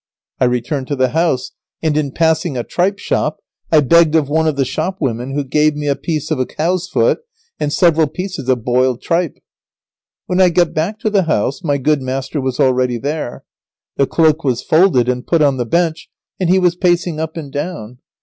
I returned to the house, and, in passing a tripe shop, I begged of one of the shopwomen, who gave me a piece of a cow's foot and several pieces of boiled tripe. When I got back to the house my good master was already there. The cloak was folded and put on the bench, and he was pacing up and down.